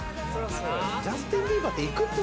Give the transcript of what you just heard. ジャスティン・ビーバーっていくつ